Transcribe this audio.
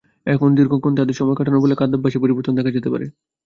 এখানে দীর্ঘক্ষণ তাদের সময় কাটানোর ফলে খাদ্যাভ্যাসে পরিবর্তন দেখা যেতে পারে।